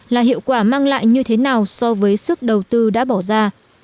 là hiệu quả mang lại như thế nào so với sức đầu tư đã bỏ ra